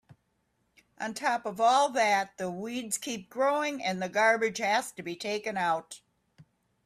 On top of all that, the weeds keep growing and the garbage has to be taken out.